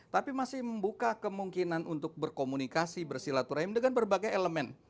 tapi masih membuka kemungkinan untuk berkomunikasi bersilaturahim dengan berbagai elemen